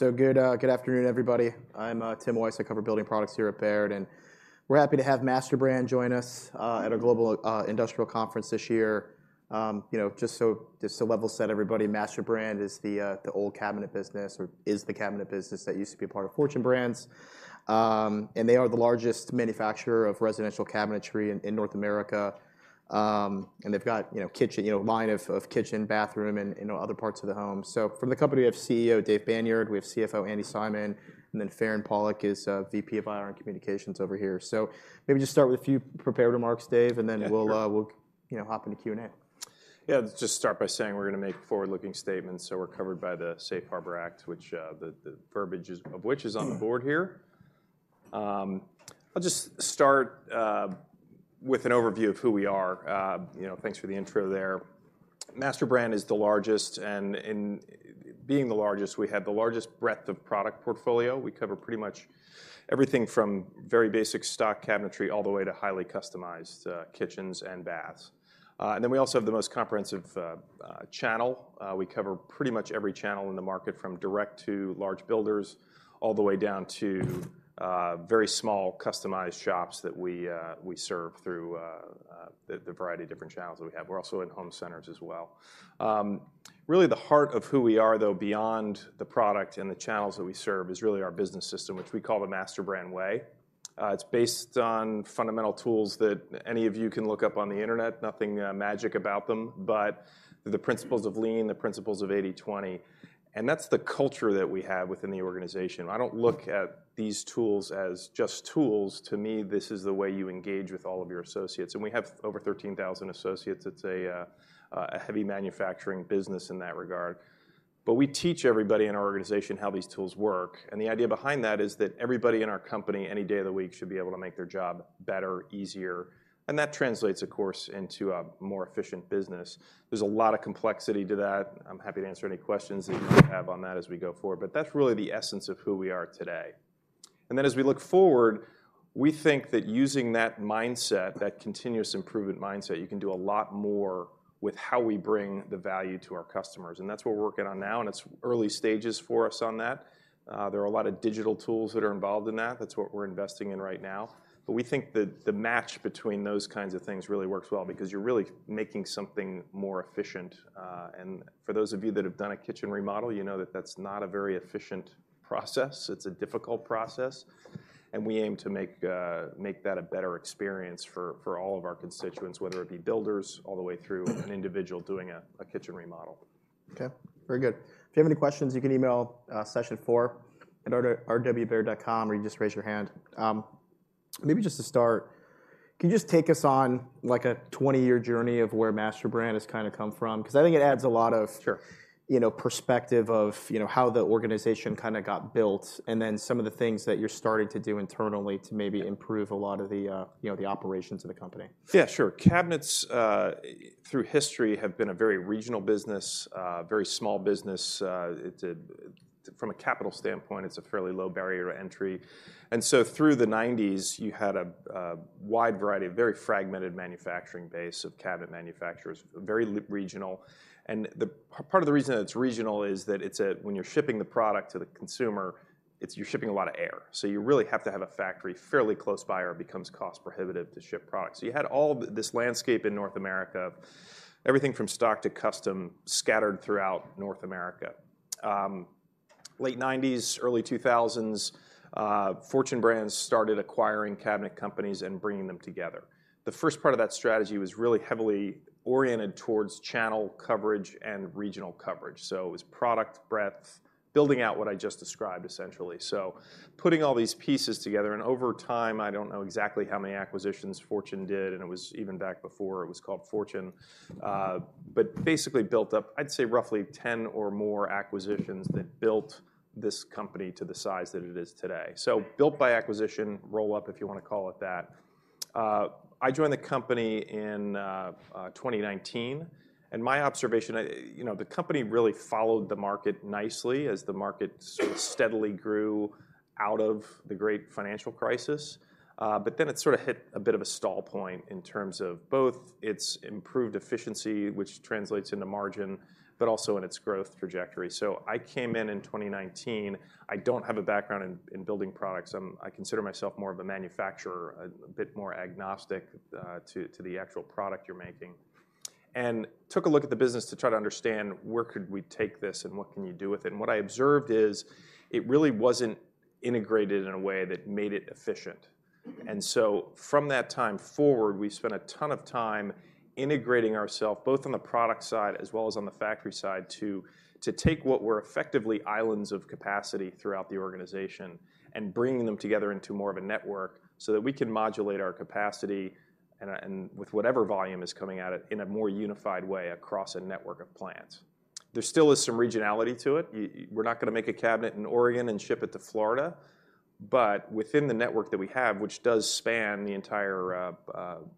Good afternoon, everybody. I'm Timothy Wojs. I cover building products here at Baird, and we're happy to have MasterBrand join us at our Global Industrial Conference this year. You know, just to level set everybody, MasterBrand is the old cabinet business, or the cabinet business that used to be a part of Fortune Brands. And they are the largest manufacturer of residential cabinetry in North America. And they've got, you know, kitchen, you know, line of kitchen, bathroom, and other parts of the home. So from the company, we have CEO Dave Banyard, we have CFO Andi Simon, and then Farand Pawlak is VP of IR and Communications over here. So maybe just start with a few prepared remarks, Dave, and then. Yeah, sure. We'll, we'll, you know, hop into Q&A. Yeah, just start by saying we're gonna make forward-looking statements, so we're covered by the Safe Harbor Act, which the verbiage is... of which is on the board here. I'll just start with an overview of who we are. You know, thanks for the intro there. MasterBrand is the largest, and in being the largest, we have the largest breadth of product portfolio. We cover pretty much everything from very basic stock cabinetry, all the way to highly customized kitchens and baths. And then we also have the most comprehensive channel. We cover pretty much every channel in the market, from direct to large builders, all the way down to very small customized shops that we serve through the variety of different channels that we have. We're also in home centers as well. Really, the heart of who we are, though, beyond the product and the channels that we serve, is really our business system, which we call the MasterBrand Way. It's based on fundamental tools that any of you can look up on the internet. Nothing magic about them, but the principles of lean, the principles of 80/20, and that's the culture that we have within the organization. I don't look at these tools as just tools. To me, this is the way you engage with all of your associates, and we have over 13,000 associates. It's a heavy manufacturing business in that regard. But we teach everybody in our organization how these tools work, and the idea behind that is that everybody in our company, any day of the week, should be able to make their job better, easier, and that translates, of course, into a more efficient business. There's a lot of complexity to that. I'm happy to answer any questions that you might have on that as we go forward, but that's really the essence of who we are today. And then, as we look forward, we think that using that mindset, that continuous improvement mindset, you can do a lot more with how we bring the value to our customers, and that's what we're working on now, and it's early stages for us on that. There are a lot of digital tools that are involved in that. That's what we're investing in right now. But we think that the match between those kinds of things really works well because you're really making something more efficient. And for those of you that have done a kitchen remodel, you know that that's not a very efficient process. It's a difficult process, and we aim to make that a better experience for all of our constituents, whether it be builders, all the way through an individual doing a kitchen remodel. Okay, very good. If you have any questions, you can email sessionfour@rwbaird.com, or you just raise your hand. Maybe just to start, can you just take us on, like, a 20-year journey of where MasterBrand has kinda come from? 'Cause I think it adds a lot of- Sure. You know, perspective of, you know, how the organization kinda got built, and then some of the things that you're starting to do internally to maybe improve a lot of the, you know, the operations of the company. Yeah, sure. Cabinets through history have been a very regional business, a very small business. It's a... From a capital standpoint, it's a fairly low barrier to entry. And so through the 1990s, you had a wide variety of very fragmented manufacturing base of cabinet manufacturers, very regional. And the part of the reason that it's regional is that it's a, when you're shipping the product to the consumer, you're shipping a lot of air. So you really have to have a factory fairly close by, or it becomes cost prohibitive to ship products. So you had all this landscape in North America, everything from stock to custom, scattered throughout North America. Late 1990s, early 2000s, Fortune Brands started acquiring cabinet companies and bringing them together. The first part of that strategy was really heavily oriented towards channel coverage and regional coverage, so it was product breadth, building out what I just described, essentially. So putting all these pieces together, and over time, I don't know exactly how many acquisitions Fortune did, and it was even back before it was called Fortune. But basically built up, I'd say, roughly 10 or more acquisitions that built this company to the size that it is today. So built by acquisition, roll-up, if you wanna call it that. I joined the company in 2019, and my observation, you know, the company really followed the market nicely as the market sort of steadily grew out of the great financial crisis. But then it sort of hit a bit of a stall point in terms of both its improved efficiency, which translates into margin, but also in its growth trajectory. So I came in in 2019. I don't have a background in building products. I consider myself more of a manufacturer, a bit more agnostic to the actual product you're making. And took a look at the business to try to understand, where could we take this, and what can you do with it? And what I observed is, it really wasn't integrated in a way that made it efficient. And so from that time forward, we spent a ton of time integrating ourself, both on the product side as well as on the factory side, to take what were effectively islands of capacity throughout the organization and bringing them together into more of a network, so that we can modulate our capacity and with whatever volume is coming at it, in a more unified way across a network of plants. There still is some regionality to it. We're not gonna make a cabinet in Oregon and ship it to Florida, but within the network that we have, which does span the entire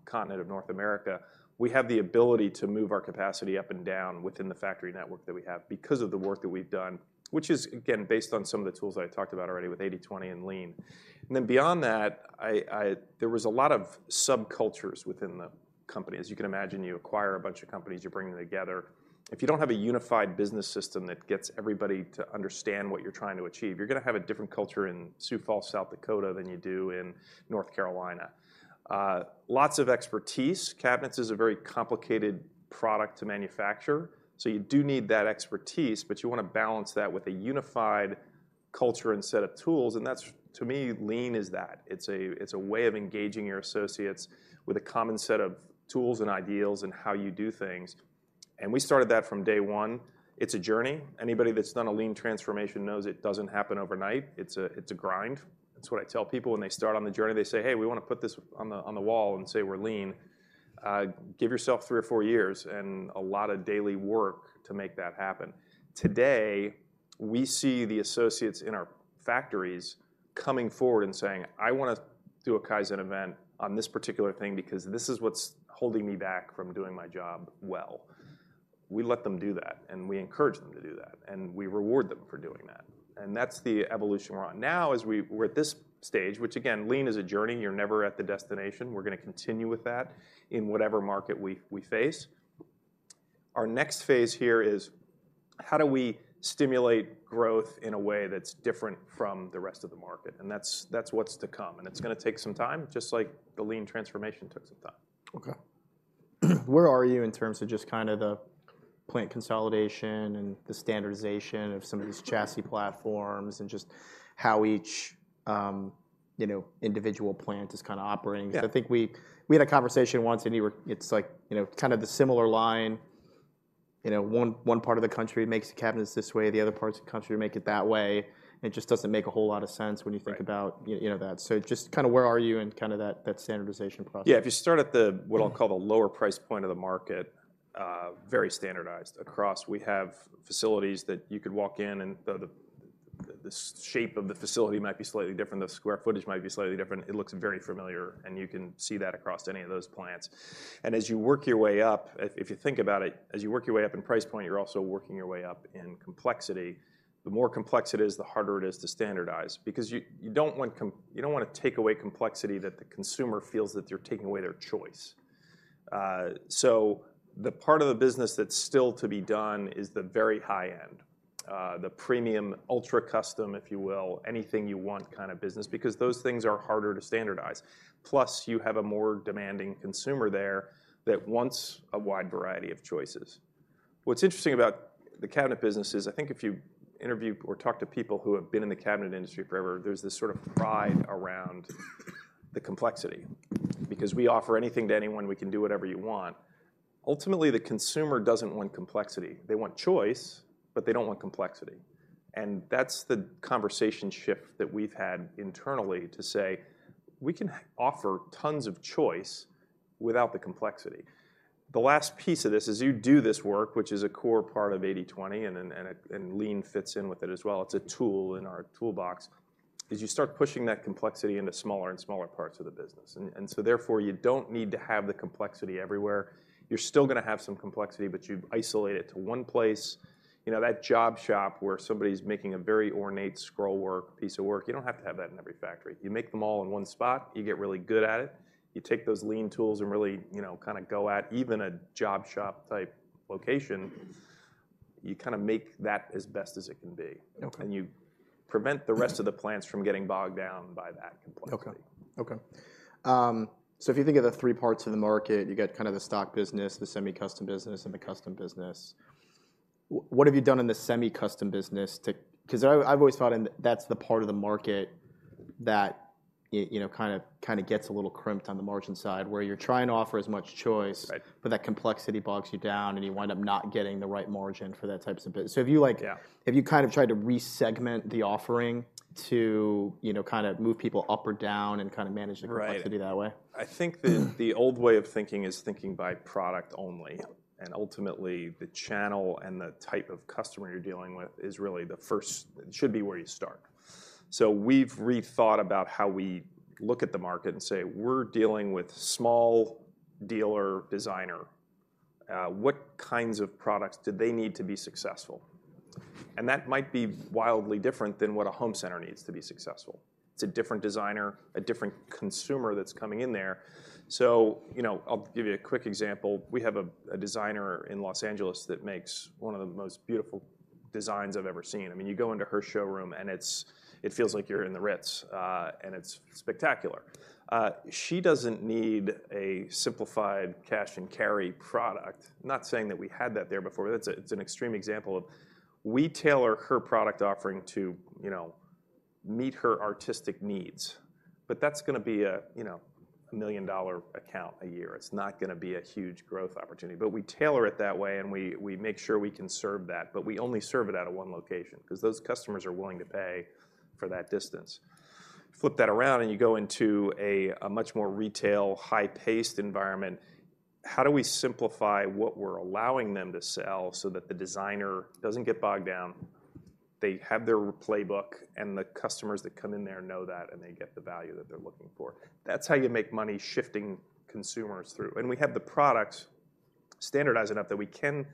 continent of North America, we have the ability to move our capacity up and down within the factory network that we have because of the work that we've done, which is, again, based on some of the tools that I talked about already with 80/20 and lean. And then beyond that, there was a lot of subcultures within the company. As you can imagine, you acquire a bunch of companies, you're bringing together. If you don't have a unified business system that gets everybody to understand what you're trying to achieve, you're gonna have a different culture in Sioux Falls, South Dakota, than you do in North Carolina. Lots of expertise. Cabinets is a very complicated product to manufacture, so you do need that expertise, but you wanna balance that with a unified culture and set of tools, and that's, to me, lean is that. It's a way of engaging your associates with a common set of tools and ideals in how you do things, and we started that from day one. It's a journey. Anybody that's done a lean transformation knows it doesn't happen overnight. It's a grind. That's what I tell people when they start on the journey. They say: "Hey, we wanna put this on the wall and say we're lean. Give yourself three or four years and a lot of daily work to make that happen. Today, we see the associates in our factories coming forward and saying, "I wanna do a Kaizen event on this particular thing because this is what's holding me back from doing my job well." We let them do that, and we encourage them to do that, and we reward them for doing that, and that's the evolution we're on. Now, as we're at this stage, which again, Lean is a journey. You're never at the destination. We're gonna continue with that in whatever market we face. Our next phase here is, how do we stimulate growth in a way that's different from the rest of the market? And that's, that's what's to come, and it's gonna take some time, just like the Lean transformation took some time. Okay. Where are you in terms of just kind of the plant consolidation and the standardization of some of these chassis platforms and just how each, you know, individual plant is kinda operating? Yeah. 'Cause I think we had a conversation once, and you were... It's like, you know, kind of the similar line. You know, one part of the country makes the cabinets this way, the other parts of the country make it that way, and it just doesn't make a whole lot of sense when you think- Right... about, you know, that. So just kinda where are you in that standardization process? Yeah, if you start at the, what I'll call the lower price point of the market, very standardized across. We have facilities that you could walk in, and the shape of the facility might be slightly different, the square footage might be slightly different. It looks very familiar, and you can see that across any of those plants. And as you work your way up, if you think about it, as you work your way up in price point, you're also working your way up in complexity. The more complex it is, the harder it is to standardize. Because you, you don't wanna take away complexity that the consumer feels that you're taking away their choice. So the part of the business that's still to be done is the very high end, the premium, ultra-custom, if you will, anything you want kinda business, because those things are harder to standardize. Plus, you have a more demanding consumer there that wants a wide variety of choices. What's interesting about the cabinet business is, I think if you interview or talk to people who have been in the cabinet industry forever, there's this sort of pride around the complexity. "Because we offer anything to anyone, we can do whatever you want." Ultimately, the consumer doesn't want complexity. They want choice, but they don't want complexity, and that's the conversation shift that we've had internally to say, "We can offer tons of choice without the complexity." The last piece of this is, you do this work, which is a core part of 80/20, and then lean fits in with it as well, it's a tool in our toolbox, you start pushing that complexity into smaller and smaller parts of the business. And so therefore, you don't need to have the complexity everywhere. You're still gonna have some complexity, but you isolate it to one place. You know, that job shop where somebody's making a very ornate scrollwork piece of work, you don't have to have that in every factory. You make them all in one spot, you get really good at it, you take those lean tools and really, you know, kinda go at even a job shop-type location, you kinda make that as best as it can be. Okay. You prevent the rest of the plants from getting bogged down by that complexity. Okay, okay. So if you think of the three parts of the market, you got kinda the stock business, the semi-custom business, and the custom business. What have you done in the semi-custom business to... 'Cause I, I've always thought in, that's the part of the market that it, you know, kind of, kinda gets a little crimped on the margin side, where you're trying to offer as much choice- Right... but that complexity bogs you down, and you wind up not getting the right margin for that types of business. So have you, like- Yeah... have you kind of tried to re-segment the offering to, you know, kinda move people up or down and kinda manage-? Right... the complexity that way? I think the old way of thinking is thinking by product only. Yep. Ultimately, the channel and the type of customer you're dealing with is really the first. It should be where you start. So we've rethought about how we look at the market and say, "We're dealing with small dealer, designer. What kinds of products do they need to be successful?" That might be wildly different than what a home center needs to be successful. It's a different designer, a different consumer that's coming in there. So, you know, I'll give you a quick example. We have a designer in Los Angeles that makes one of the most beautiful designs I've ever seen. I mean, you go into her showroom, and it's. It feels like you're in the Ritz, and it's spectacular. She doesn't need a simplified cash-and-carry product. I'm not saying that we had that there before, but it's a, it's an extreme example of we tailor her product offering to, you know, meet her artistic needs. But that's gonna be a, you know, a million-dollar account a year. It's not gonna be a huge growth opportunity. But we tailor it that way, and we, we make sure we can serve that, but we only serve it out of one location, 'cause those customers are willing to pay for that distance. Flip that around, and you go into a, a much more retail, high-paced environment. How do we simplify what we're allowing them to sell so that the designer doesn't get bogged down? They have their playbook, and the customers that come in there know that, and they get the value that they're looking for. That's how you make money shifting consumers through. We have the products standardized enough that we can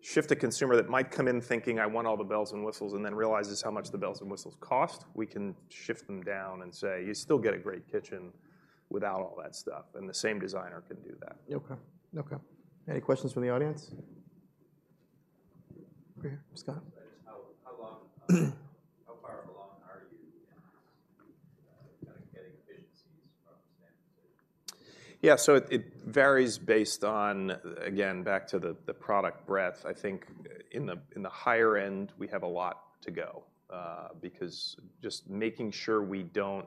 shift a consumer that might come in thinking, "I want all the bells and whistles," and then realizes how much the bells and whistles cost. We can shift them down and say, "You still get a great kitchen without all that stuff," and the same designer can do that. Okay, okay. Any questions from the audience? Over here, Scott. Just how long, how far along-... Yeah, so it varies based on, again, back to the product breadth. I think in the higher end, we have a lot to go, because just making sure we don't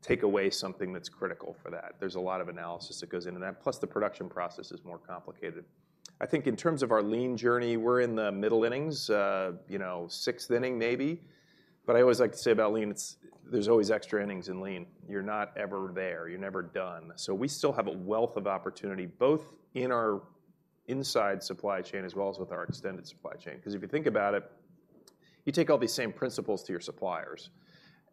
take away something that's critical for that, there's a lot of analysis that goes into that, plus the production process is more complicated. I think in terms of our lean journey, we're in the middle innings, you know, sixth inning maybe, but I always like to say about lean, it's. There's always extra innings in lean. You're not ever there. You're never done. So we still have a wealth of opportunity, both in our inside supply chain as well as with our extended supply chain. 'Cause if you think about it, you take all these same principles to your suppliers,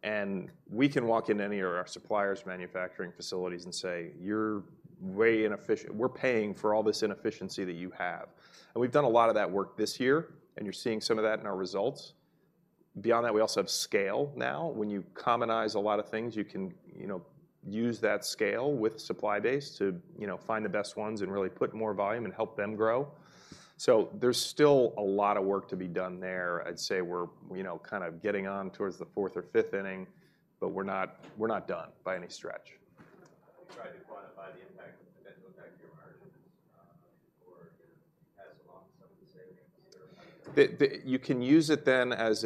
and we can walk into any of our suppliers' manufacturing facilities and say, "You're way inefficient. We're paying for all this inefficiency that you have." And we've done a lot of that work this year, and you're seeing some of that in our results. Beyond that, we also have scale now. When you commonize a lot of things, you can, you know, use that scale with supply base to, you know, find the best ones and really put more volume and help them grow. So there's still a lot of work to be done there. I'd say we're, you know, kind of getting on towards the fourth or fifth inning, but we're not, we're not done by any stretch. Have you tried to quantify the impact, the potential impact to your margins, or pass along some of the savings that are- You can use it then as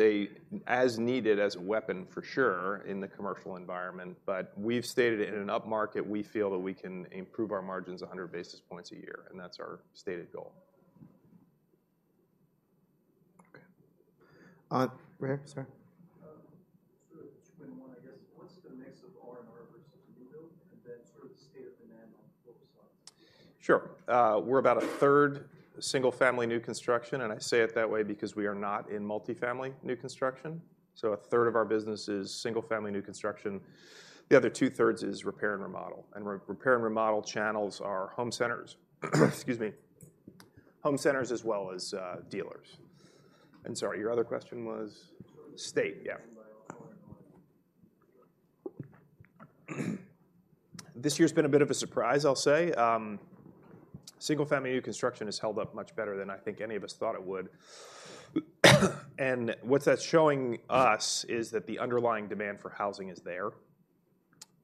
needed, as a weapon for sure, in the commercial environment. But we've stated it, in an upmarket, we feel that we can improve our margins 100 basis points a year, and that's our stated goal. Okay. Right here. Sorry. Sort of two in one, I guess. What's the mix of R&R versus new build, and then sort of the state of demand on both sides? Sure. We're about a third single-family new construction, and I say it that way because we are not in multifamily new construction. So a third of our business is single-family new construction. The other two-thirds is repair and remodel, and repair and remodel channels are home centers, excuse me, home centers as well as dealers. And sorry, your other question was? Sure. State, yeah. By R&R. This year's been a bit of a surprise, I'll say. Single-family new construction has held up much better than I think any of us thought it would. And what that's showing us is that the underlying demand for housing is there.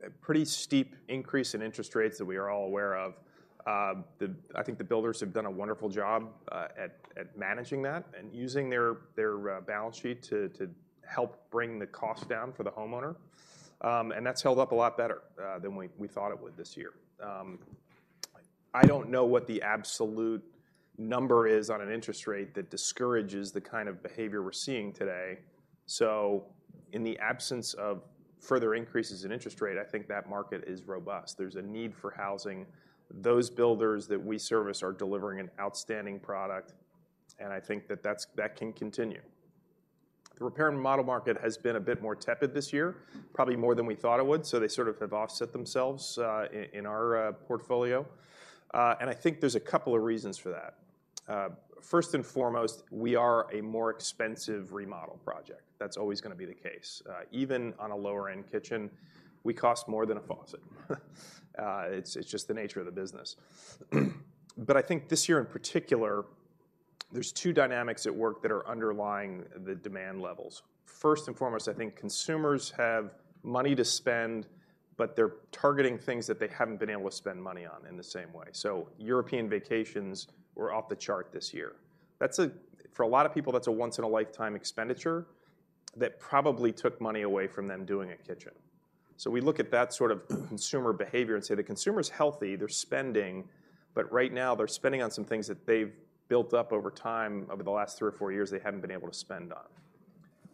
A pretty steep increase in interest rates that we are all aware of. I think the builders have done a wonderful job at managing that and using their balance sheet to help bring the cost down for the homeowner. And that's held up a lot better than we thought it would this year. I don't know what the absolute number is on an interest rate that discourages the kind of behavior we're seeing today, so in the absence of further increases in interest rate, I think that market is robust. There's a need for housing. Those builders that we service are delivering an outstanding product, and I think that that can continue. The repair and remodel market has been a bit more tepid this year, probably more than we thought it would, so they sort of have offset themselves in our portfolio. And I think there's a couple of reasons for that. First and foremost, we are a more expensive remodel project. That's always gonna be the case. Even on a lower-end kitchen, we cost more than a faucet. It's just the nature of the business. But I think this year in particular, there's two dynamics at work that are underlying the demand levels. First and foremost, I think consumers have money to spend, but they're targeting things that they haven't been able to spend money on in the same way. So European vacations were off the chart this year. For a lot of people, that's a once-in-a-lifetime expenditure that probably took money away from them doing a kitchen. So we look at that sort of consumer behavior and say the consumer's healthy. They're spending, but right now they're spending on some things that they've built up over time, over the last three or four years they haven't been able to spend on.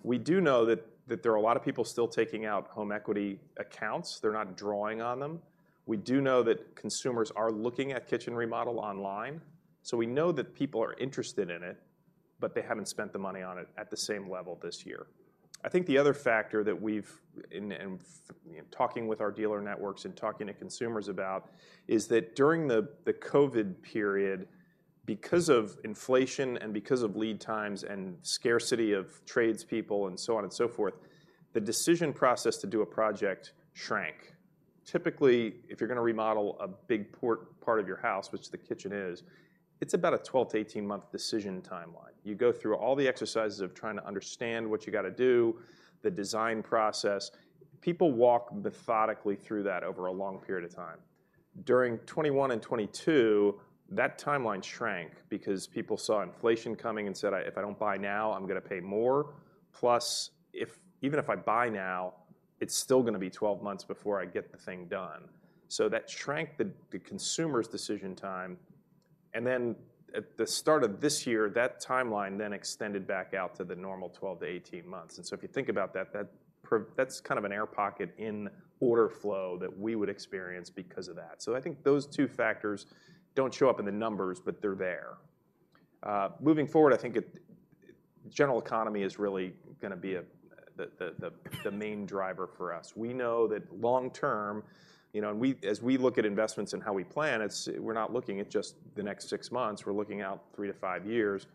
We do know that there are a lot of people still taking out home equity accounts. They're not drawing on them. We do know that consumers are looking at kitchen remodel online. So we know that people are interested in it, but they haven't spent the money on it at the same level this year. I think the other factor that we've... Talking with our dealer networks and talking to consumers about is that during the COVID period, because of inflation and because of lead times and scarcity of tradespeople and so on and so forth, the decision process to do a project shrank. Typically, if you're gonna remodel a big part of your house, which the kitchen is, it's about a 12-18month decision timeline. You go through all the exercises of trying to understand what you gotta do, the design process. People walk methodically through that over a long period of time. During 2021 and 2022, that timeline shrank because people saw inflation coming and said, "If I don't buy now, I'm gonna pay more. Plus, if even if I buy now, it's still gonna be 12 months before I get the thing done. So that shrank the consumer's decision time, and then at the start of this year, that timeline then extended back out to the normal 12-18 months. And so if you think about that, that's kind of an air pocket in order flow that we would experience because of that. So I think those two factors don't show up in the numbers, but they're there. Moving forward, I think the general economy is really gonna be the main driver for us. We know that long term, you know, and as we look at investments and how we plan, we're not looking at just the next six months, we're looking out three-five years.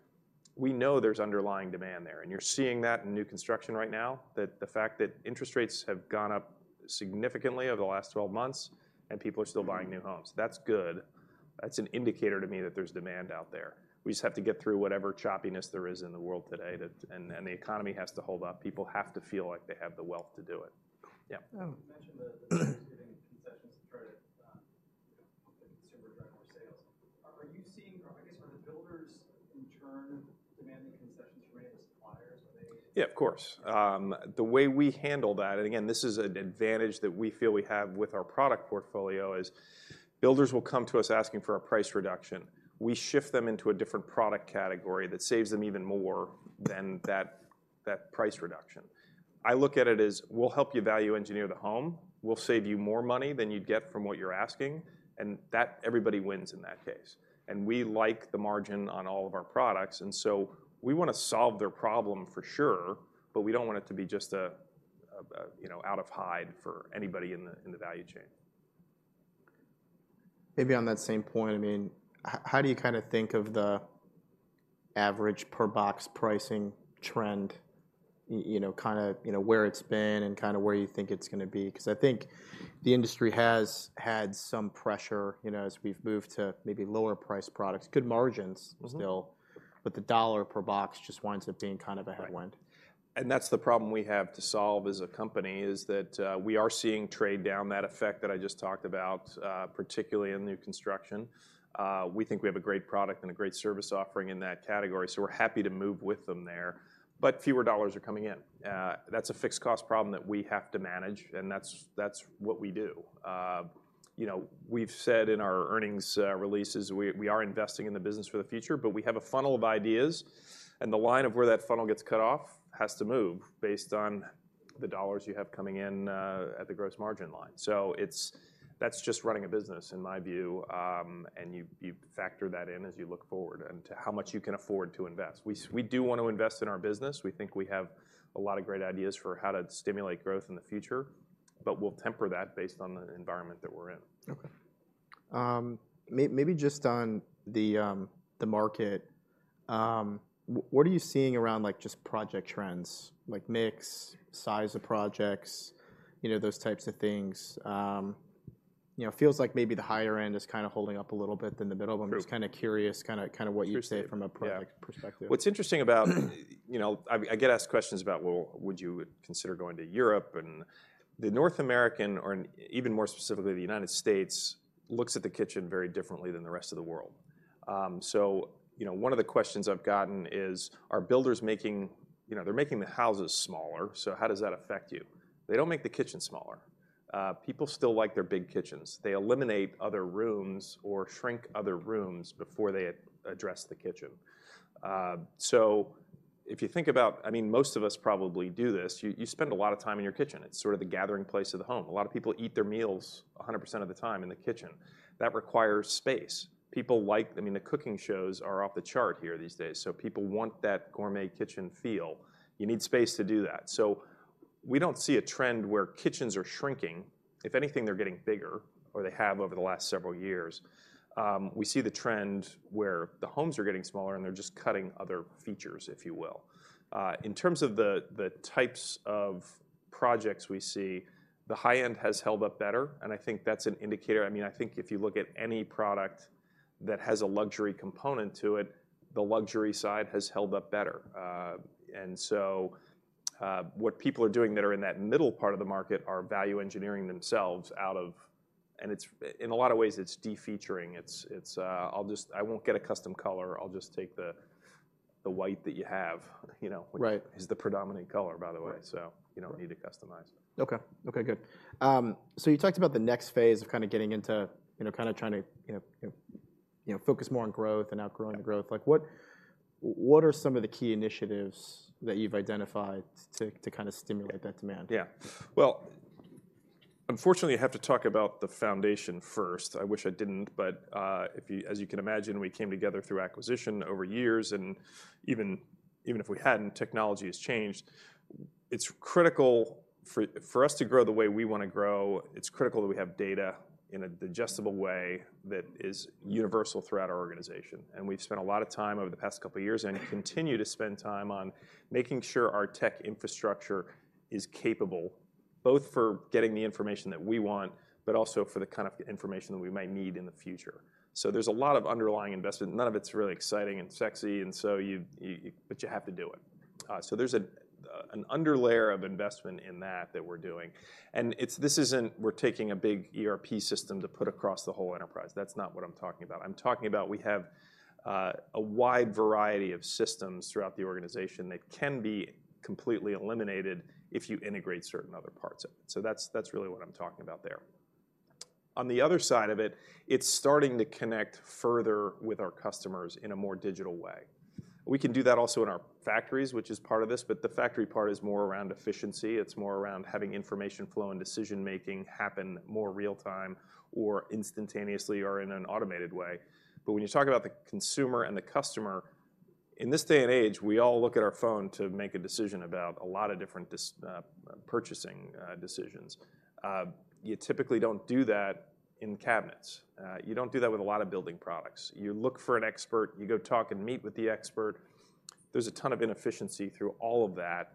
We know there's underlying demand there, and you're seeing that in new construction right now, that the fact that interest rates have gone up significantly over the last 12 months, and people are still buying new homes. That's good... That's an indicator to me that there's demand out there. We just have to get through whatever choppiness there is in the world today, that and the economy has to hold up. People have to feel like they have the wealth to do it. Yeah? You mentioned the concessions to try to consumer drive more sales. Are you seeing, or I guess, are the builders in turn demanding concessions from any of the suppliers? Are they- Yeah, of course. The way we handle that, and again, this is an advantage that we feel we have with our product portfolio, is builders will come to us asking for a price reduction. We shift them into a different product category that saves them even more than that, that price reduction. I look at it as: We'll help you value engineer the home, we'll save you more money than you'd get from what you're asking, and that, everybody wins in that case. And we like the margin on all of our products, and so we wanna solve their problem for sure, but we don't want it to be just a, you know, out of hide for anybody in the value chain. Maybe on that same point, I mean, how do you kinda think of the average per box pricing trend? You know, kinda, you know, where it's been and kinda where you think it's gonna be? 'Cause I think the industry has had some pressure, you know, as we've moved to maybe lower priced products, good margins- Mm-hmm. Still, but the dollar per box just winds up being kind of a headwind. Right. And that's the problem we have to solve as a company, is that we are seeing trade down, that effect that I just talked about, particularly in new construction. We think we have a great product and a great service offering in that category, so we're happy to move with them there, but fewer dollars are coming in. That's a fixed cost problem that we have to manage, and that's what we do. You know, we've said in our earnings releases, we are investing in the business for the future, but we have a funnel of ideas, and the line of where that funnel gets cut off has to move based on the dollars you have coming in at the gross margin line. So it's that just running a business, in my view. You factor that in as you look forward and to how much you can afford to invest. We do want to invest in our business. We think we have a lot of great ideas for how to stimulate growth in the future, but we'll temper that based on the environment that we're in. Okay. Maybe just on the, the market, what are you seeing around, like, just project trends? Like mix, size of projects, you know, those types of things. You know, feels like maybe the higher end is kinda holding up a little bit than the middle- True. I'm just kinda curious what you'd say. True from a product perspective. Yeah. What's interesting about, you know... I get asked questions about, "Well, would you consider going to Europe?" And the North American, or even more specifically, the United States, looks at the kitchen very differently than the rest of the world. So, you know, one of the questions I've gotten is: Are builders making... You know, they're making the houses smaller, so how does that affect you? They don't make the kitchen smaller. People still like their big kitchens. They eliminate other rooms or shrink other rooms before they address the kitchen. So if you think about... I mean, most of us probably do this, you spend a lot of time in your kitchen. It's sort of the gathering place of the home. A lot of people eat their meals 100% of the time in the kitchen. That requires space. I mean, the cooking shows are off the chart here these days, so people want that gourmet kitchen feel. You need space to do that. So we don't see a trend where kitchens are shrinking. If anything, they're getting bigger, or they have over the last several years. We see the trend where the homes are getting smaller, and they're just cutting other features, if you will. In terms of the types of projects we see, the high end has held up better, and I think that's an indicator. I mean, I think if you look at any product that has a luxury component to it, the luxury side has held up better. What people are doing that are in that middle part of the market are value engineering themselves out of-- and it's, in a lot of ways, it's de-featuring. It's, it's, I'll just-- I won't get a custom color. I'll just take the, the white that you have, you know? Right. Which is the predominant color, by the way? Right. You don't need to customize. Okay. Okay, good. So you talked about the next phase of kinda getting into, you know, kinda trying to, you know, you know, you know, focus more on growth and outgrowing the growth. Yeah. Like, what, what are some of the key initiatives that you've identified to, to kinda stimulate that demand? Yeah. Well, unfortunately, I have to talk about the foundation first. I wish I didn't, but if, as you can imagine, we came together through acquisition over years, and even if we hadn't, technology has changed. It's critical for us to grow the way we wanna grow, it's critical that we have data in a digestible way that is universal throughout our organization. And we've spent a lot of time over the past couple of years and continue to spend time on making sure our tech infrastructure is capable, both for getting the information that we want, but also for the kind of information that we might need in the future. So there's a lot of underlying investment. None of it's really exciting and sexy, and so you, but you have to do it. So there's an under layer of investment in that that we're doing. And it's—this isn't we're taking a big ERP system to put across the whole enterprise. That's not what I'm talking about. I'm talking about we have a wide variety of systems throughout the organization that can be completely eliminated if you integrate certain other parts of it. So that's really what I'm talking about there. On the other side of it, it's starting to connect further with our customers in a more digital way. We can do that also in our factories, which is part of this, but the factory part is more around efficiency. It's more around having information flow and decision-making happen more real time or instantaneously or in an automated way. But when you talk about the consumer and the customer, in this day and age, we all look at our phone to make a decision about a lot of different purchasing decisions. You typically don't do that in cabinets. You don't do that with a lot of building products. You look for an expert, you go talk and meet with the expert. There's a ton of inefficiency through all of that,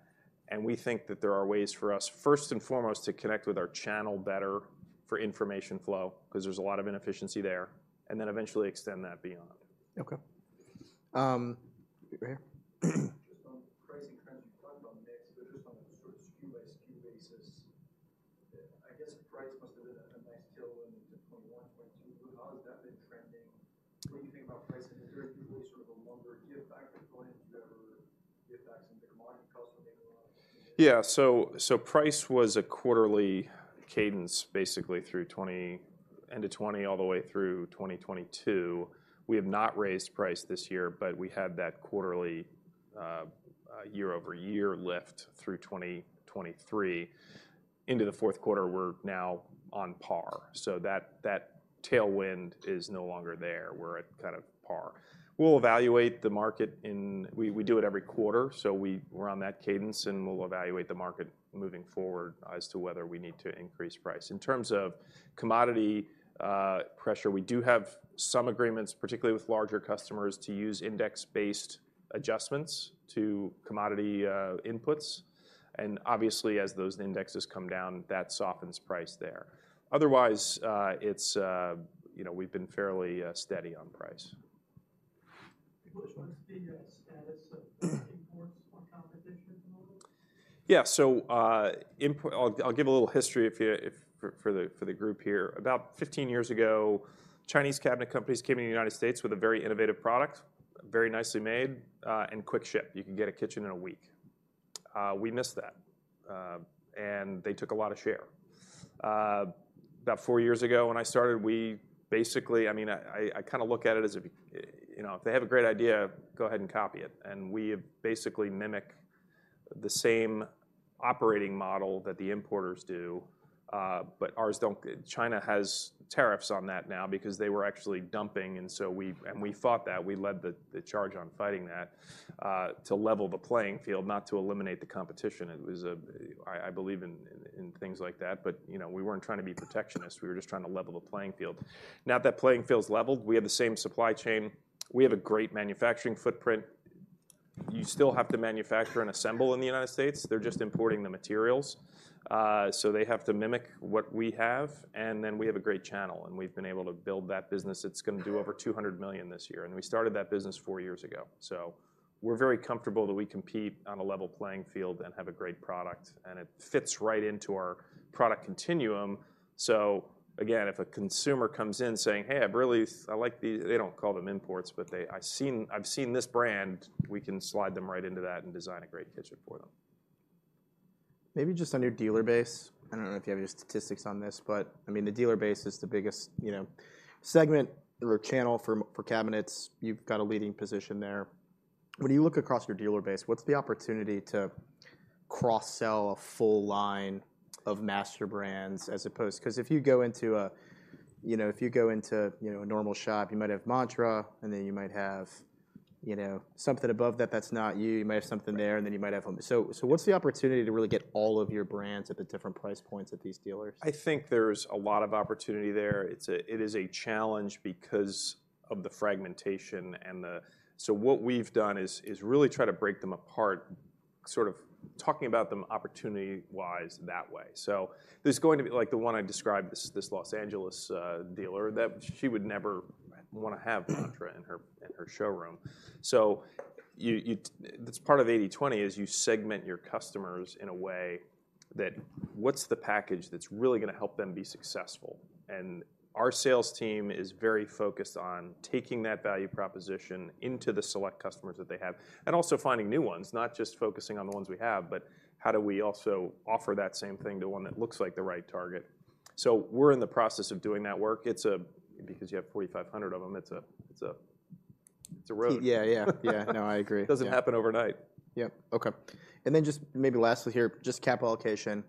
and we think that there are ways for us, first and foremost, to connect with our channel better for information flow, 'cause there's a lot of inefficiency there, and then eventually extend that beyond. Okay. Right here. Just on pricing trends, you talked about mix, but just on a sort of SKU by SKU basis, I guess price must have been a nice tailwind in 2021, 2022. But how has that been trending when you think about pricing? Is there anybody sort of a longer-term effect, or do you ever get back some commodity costs maybe? Yeah. So price was a quarterly cadence, basically through the end of 2020 all the way through 2022. We have not raised price this year, but we had that quarterly year-over-year lift through 2023. Into the fourth quarter, we're now on par, so that tailwind is no longer there. We're at kind of par. We'll evaluate the market. We do it every quarter, so we're on that cadence, and we'll evaluate the market moving forward as to whether we need to increase price. In terms of commodity pressure, we do have some agreements, particularly with larger customers, to use index-based adjustments to commodity inputs. And obviously, as those indexes come down, that softens price there. Otherwise, it's you know, we've been fairly steady on price. What seems to be the status of imports on competition at the moment? Yeah. So, I'll give a little history if for the group here. About 15 years ago, Chinese cabinet companies came to the United States with a very innovative product, very nicely made, and quick ship. You could get a kitchen in a week. We missed that, and they took a lot of share. About four years ago, when I started, we basically, I mean, I kind of look at it as if, you know, if they have a great idea, go ahead and copy it. And we basically mimic the same operating model that the importers do, but ours don't, China has tariffs on that now because they were actually dumping, and so we, and we fought that. We led the charge on fighting that to level the playing field, not to eliminate the competition. It was a... I believe in things like that, but, you know, we weren't trying to be protectionist. We were just trying to level the playing field. Now that playing field's leveled, we have the same supply chain. We have a great manufacturing footprint. You still have to manufacture and assemble in the United States. They're just importing the materials, so they have to mimic what we have, and then we have a great channel, and we've been able to build that business. It's gonna do over $200 million this year, and we started that business four years ago. So we're very comfortable that we compete on a level playing field and have a great product, and it fits right into our product continuum. So again, if a consumer comes in saying, "Hey, I've really-- I like the..." They don't call them imports, but they, "I've seen, I've seen this brand," we can slide them right into that and design a great kitchen for them. Maybe just on your dealer base. I don't know if you have your statistics on this, but I mean, the dealer base is the biggest, you know, segment or channel for cabinets. You've got a leading position there. When you look across your dealer base, what's the opportunity to cross-sell a full line of MasterBrand as opposed... 'Cause if you go into, you know, a normal shop, you might have Mantra, and then you might have, you know, something above that that's not you. You might have something there, and then you might have... So what's the opportunity to really get all of your brands at the different price points at these dealers? I think there's a lot of opportunity there. It's a challenge because of the fragmentation and the... So what we've done is really try to break them apart, sort of talking about them opportunity-wise, that way. So there's going to be -- Like the one I described, this Los Angeles dealer, that she would never wanna have Mantra in her showroom. So you, that's part of 80/20, is you segment your customers in a way that, what's the package that's really gonna help them be successful? And our sales team is very focused on taking that value proposition into the select customers that they have, and also finding new ones, not just focusing on the ones we have, but how do we also offer that same thing to one that looks like the right target? We're in the process of doing that work. It's a road because you have 4,500 of them. Yeah, yeah, yeah. No, I agree. Doesn't happen overnight. Yep. Okay. And then just maybe lastly here, just capital allocation.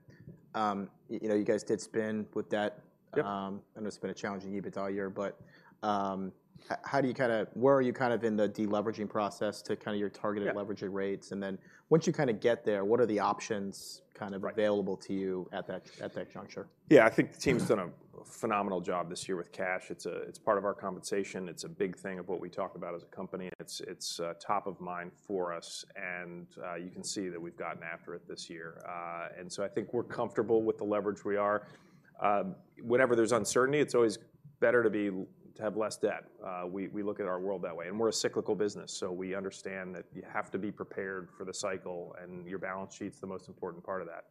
You know, you guys did spin with that. Yep. I know it's been a challenging EBITDA year, but, how do you kinda-- Where are you kind of in the deleveraging process to kinda your targeted- Yep ...leveraging rates? And then once you kinda get there, what are the options kind of- Right... available to you at that, at that juncture? Yeah, I think the team has done a phenomenal job this year with cash. It's part of our compensation. It's a big thing of what we talk about as a company. It's top of mind for us, and you can see that we've gotten after it this year. And so I think we're comfortable with the leverage we are. Whenever there's uncertainty, it's always better to be, to have less debt. We look at our world that way, and we're a cyclical business, so we understand that you have to be prepared for the cycle, and your balance sheet's the most important part of that.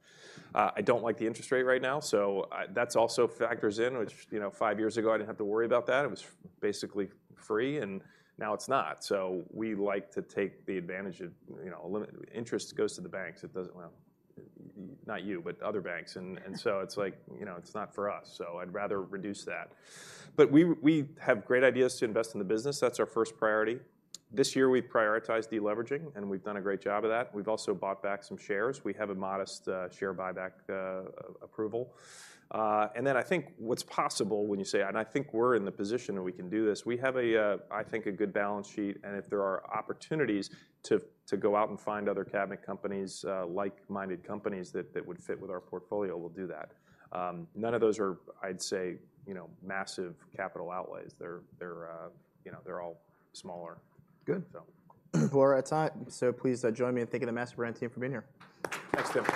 I don't like the interest rate right now, so that's also factors in, which, you know, five years ago, I didn't have to worry about that. It was basically free, and now it's not. So we like to take advantage of, you know, low interest goes to the banks. It doesn't... Well, not you, but other banks. And so it's like, you know, it's not for us, so I'd rather reduce that. But we have great ideas to invest in the business. That's our first priority. This year, we've prioritized de-leveraging, and we've done a great job of that. We've also bought back some shares. We have a modest share buyback approval. And then I think what's possible when you say... And I think we're in the position where we can do this. We have a good balance sheet, and if there are opportunities to go out and find other cabinet companies, like-minded companies that would fit with our portfolio, we'll do that. None of those are, I'd say, you know, massive capital outlays. They're, you know, all smaller. Good. So. We're out of time, so please, join me in thanking the MasterBrand team for being here. Thanks, Tim.